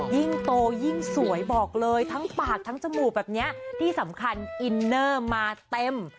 ยิ่งโตยิ่งสวยบอกเลยทั้งปากทั้งจมูกแบบนี้ที่สำคัญอินเนอร์มาเต็ม